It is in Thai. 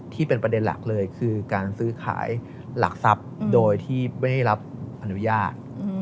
ที่เป็นประเด็นหลักเลยคือการซื้อขายหลักทรัพย์โดยที่ไม่ได้รับอนุญาต